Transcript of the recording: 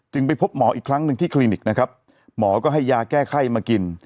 ไปพบหมออีกครั้งหนึ่งที่คลินิกนะครับหมอก็ให้ยาแก้ไข้มากิน